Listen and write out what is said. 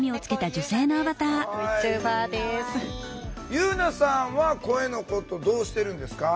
夕菜さんは声のことどうしてるんですか？